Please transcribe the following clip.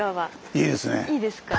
いいですか？